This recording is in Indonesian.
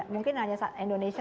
mungkin hanya indonesia